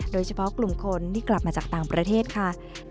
โดยเฉพาะกลุ่มคนที่กลับมาจากต่างประเทศค่ะ